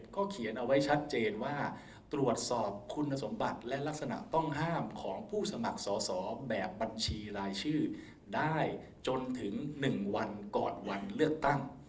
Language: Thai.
เขียนเอาไว้ชัดเจนว่าตรวจสอบคุณสมบัติและลักษณะต้องห้ามของผู้สมัครสอสอแบบบัญชีรายชื่อได้จนถึง๑วันก่อนวันเลือกตั้ง